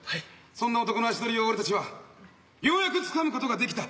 そんな男の足取りを俺たちはようやくつかむことができた。